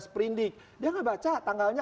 seperindik dia tidak baca tanggalnya